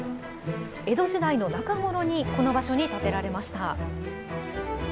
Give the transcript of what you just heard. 江戸時代の中ごろにこの場所に建てられました。